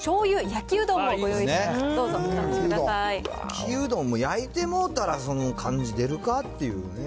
焼うどんも、焼いてもうたら、その感じ出るかっていうね。